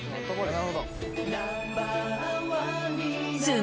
なるほど。